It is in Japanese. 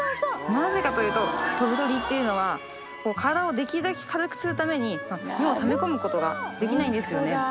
なぜかというと飛ぶ鳥っていうのは体をできるだけ軽くするために尿をため込むことができないんですよね。